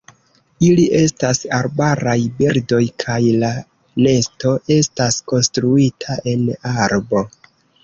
Ili estas arbaraj birdoj, kaj la nesto estas konstruita en arbo.